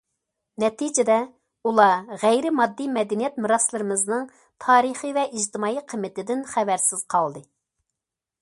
نەتىجىدە، ئۇلار غەيرىي ماددىي مەدەنىيەت مىراسلىرىمىزنىڭ تارىخى ۋە ئىجتىمائىي قىممىتىدىن خەۋەرسىز قالدى.